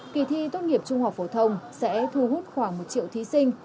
kỳ thi tốt nghiệp trung học phổ thông sẽ thu hút khoảng một triệu thí sinh